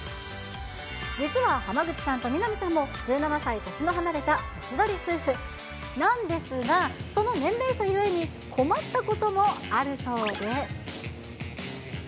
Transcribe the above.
実は濱口さんと南さんも１７歳年が離れたおしどり夫婦なんですが、その年齢差ゆえに、困ったこともあるそうで。